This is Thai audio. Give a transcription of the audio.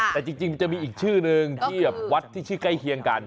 แต่จริงมันจะมีอีกชื่อนึงที่วัดที่ชื่อใกล้เคียงกัน